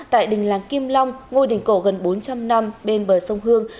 tại đình làng kim long ngôi đình cổ gần bốn trăm linh năm bên bờ sông hương